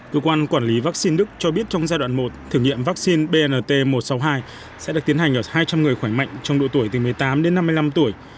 cơ quan quản lý vaccine đức cho biết trong giai đoạn một thử nghiệm vaccine bnt một trăm sáu mươi hai sẽ được tiến hành ở hai trăm linh người khỏe mạnh trong độ tuổi từ một mươi tám đến năm mươi năm tuổi